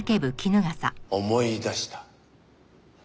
思い出した。